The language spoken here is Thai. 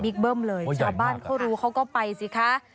เบิ้มเลยชาวบ้านเขารู้เขาก็ไปสิคะ